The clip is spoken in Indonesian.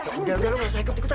udah udah gak usah ikut ikutan